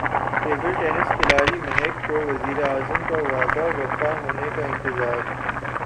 table tennis کھلاڑی مہک کو وزیراعظم کا وعدہ وفا ہونے کا انتظار